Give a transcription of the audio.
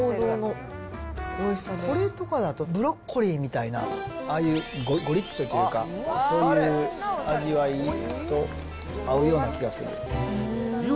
これとかだと、ブロッコリーみたいな、ああいうごりっとというか、そういう味わいと合うような気がする。